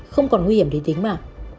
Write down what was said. không còn nguy hiểm để tính mạng